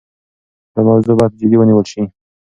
دا موضوع باید جدي ونیول شي.